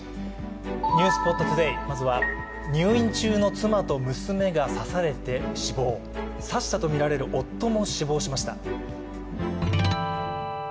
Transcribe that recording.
「ｎｅｗｓｐｏｔＴｏｄａｙ」、まずは入院中の妻と娘が刺されて死亡、刺したとみられる夫も死亡しました。